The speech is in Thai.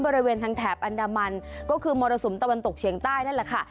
บริเวณทางแถบอันดามันก็คือมรสุมตะวันตกเฉียงใต้นั่นแหละค่ะ